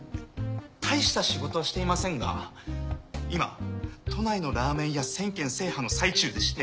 たいした仕事はしていませんが今都内のラーメン屋１，０００軒制覇の最中でして。